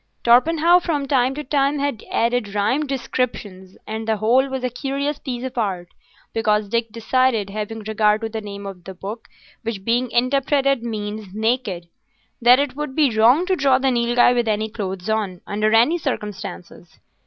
Torpenhow from time to time had added rhymed descriptions, and the whole was a curious piece of art, because Dick decided, having regard to the name of the book which being interpreted means "naked," that it would be wrong to draw the Nilghai with any clothes on, under any circumstances.